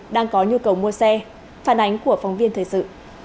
đang có nhu cầu mua xe phản ánh của phóng viên thời sự